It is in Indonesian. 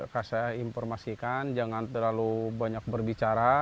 saya informasikan jangan terlalu banyak berbicara